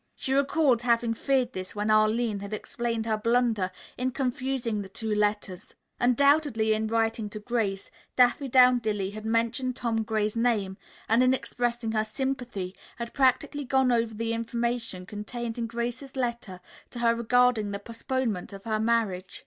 She recalled having feared this when Arline had explained her blunder in confusing the two letters. Undoubtedly in writing to Grace, Daffydowndilly had mentioned Tom Gray's name and, in expressing her sympathy, had practically gone over the information contained in Grace's letter to her regarding the postponement of her marriage.